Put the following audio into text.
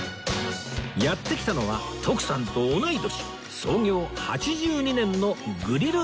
やって来たのは徳さんと同い年創業８２年のグリルグランド